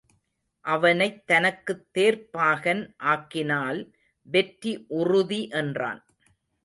அவனைத் தனக்குத் தேர்ப்பாகன் ஆக்கினால் வெற்றி உறுதி என்றான்.